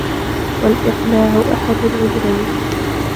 وَالْإِقْلَاعُ أَحَدُ الْعُذْرَيْنِ